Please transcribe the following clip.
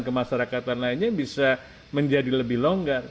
kemasyarakatan lainnya bisa menjadi lebih longgar